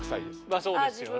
まあそうですよね。